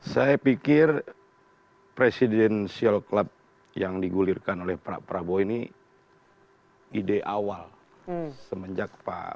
saya pikir presidensial club yang digulirkan oleh pak prabowo ini ide awal semenjak pak